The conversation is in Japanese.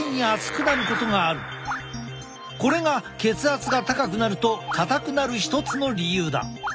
これが血圧が高くなると硬くなる一つの理由だ。